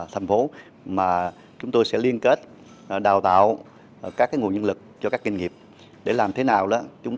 thành phố mà chúng tôi sẽ liên kết đào tạo các nguồn nhân lực cho các doanh nghiệp để làm thế nào đó chúng